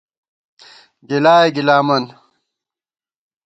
گِلائے گِلامن